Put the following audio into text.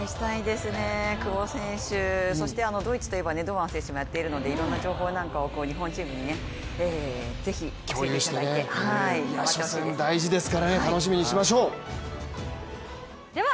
久保選手、そしてドイツといえば堂安選手もやっているのでいろんな情報なんかを日本チームにぜひ教えていただいて頑張ってほしいです。